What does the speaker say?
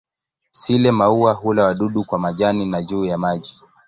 Sile-maua hula wadudu kwa majani na juu ya maji.